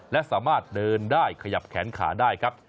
และสามารถเดินได้ขยับแขนขาได้ครับ